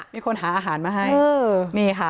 มีคนหาอาหารมาให้